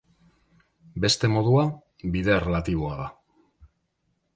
Beste modua, bide erlatiboa da.